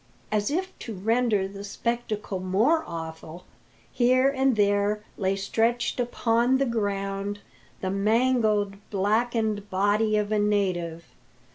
As if to render the spectacle more awful, here and there lay stretched upon the ground the mangled, blackened body of a native.